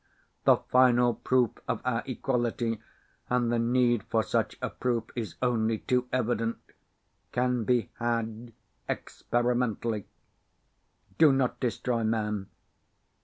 The final proof of our equality and the need for such a proof is only too evident can be had experimentally. Do not destroy man.